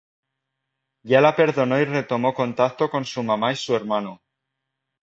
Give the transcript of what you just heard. Ya la perdonó y retomó contacto con su mamá y su hermano.